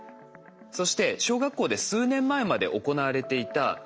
そして小学校で数年前まで行われていたぎょう虫検査。